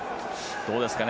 どうですかね